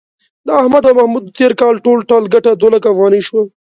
د احمد او محمود د تېر کال ټول ټال گټه دوه لکه افغانۍ شوه.